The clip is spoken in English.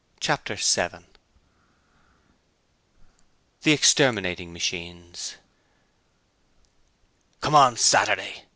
Chapter 7 The Exterminating Machines 'Come on, Saturday!'